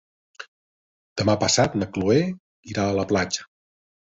Demà passat na Cloè irà a la platja.